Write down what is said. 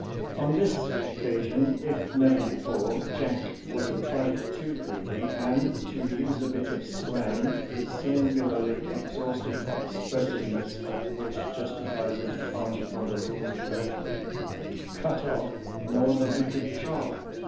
*♦» On this occasion, if never before, Jack was a trifle too greedy, and, to use a bit of slang, the singularly exhaustive expressiveness of which justifies a departure from the rules of rhetoric, " cut off more than he could chaw."